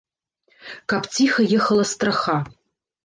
Каб ціха ехала страха.